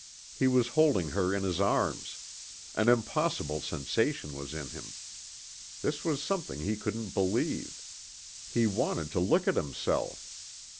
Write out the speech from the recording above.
He was holding her in his arms. An impossible sensation was in him. This was something he couldn't believe. He wanted to look at himself.